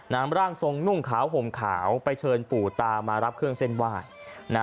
นำร่างทรงนุ่งขาวห่มขาวไปเชิญปู่ตามารับเครื่องเส้นไหว้